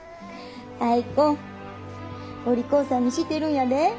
アイ子お利口さんにしてるんやで。